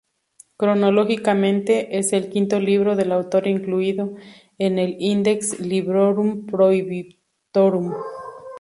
Cronológicamente, es el quinto libro del autor incluido en el "Index librorum prohibitorum".